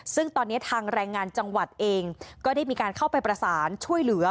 ซึ่งตอนนี้ทางแรงงานจังหวัดเองก็ได้มีการเข้าไปประสานช่วยเหลือ